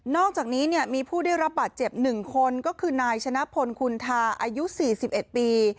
อกจากนี้มีผู้ได้รับบาดเจ็บ๑คนก็คือนายชนะพลคุณทาอายุ๔๑ปี